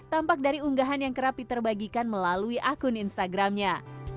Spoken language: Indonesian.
tampak dari unggahan yang kerap peterbagikan melalui akun instagramnya